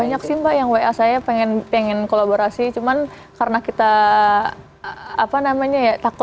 banyak sih mbak yang wa saya pengen pengen kolaborasi cuman karena saya pengen berkongsi